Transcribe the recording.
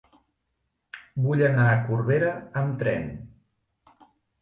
Vull anar a Corbera amb tren.